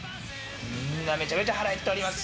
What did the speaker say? みんな、めちゃめちゃ腹減っております。